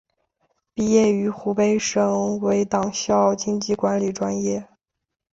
毕业于湖北省委党校经济管理专业。